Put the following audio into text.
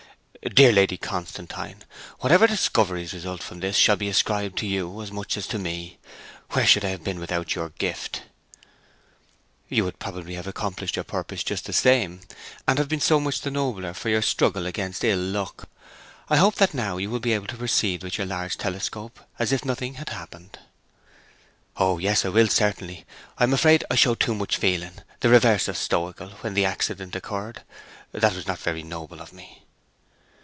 'Dear Lady Constantine! Whatever discoveries result from this shall be ascribed to you as much as to me. Where should I have been without your gift?' 'You would possibly have accomplished your purpose just the same, and have been so much the nobler for your struggle against ill luck. I hope that now you will be able to proceed with your large telescope as if nothing had happened.' 'O yes, I will, certainly. I am afraid I showed too much feeling, the reverse of stoical, when the accident occurred. That was not very noble of me.'